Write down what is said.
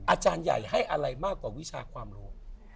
อาจารย์ใหญ่ให้อะไรมากกว่าวิชาความรู้